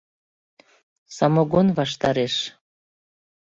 САМОГОН ВАШТАРЕШ